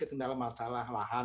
kendala masalah lahan